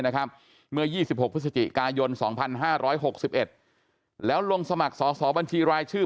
เมื่อ๒๖พฤศจิกายน๒๕๖๑แล้วลงสมัครสอสอบัญชีรายชื่อ